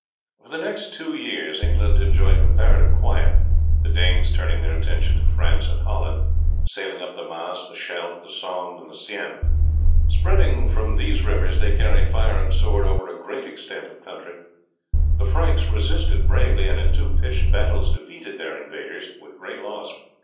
For the next two years England enjoyed comparative quiet, the Danes turning their attention to France and Holland, sailing up the Maas, Scheldt, Somme, and Seine. Spreading from these rivers they carried fire and sword over a great extent of country. The Franks resisted bravely, and in two pitched battles defeated their invaders with great loss.